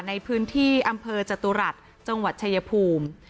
ในพื้นที่อำเภอจตุรัสจังหวัดชายภูมิ